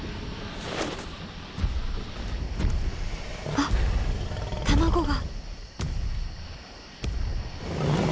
あっ卵が。